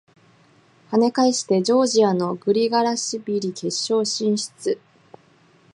跳ね返してジョージアのグリガラシビリ決勝進出！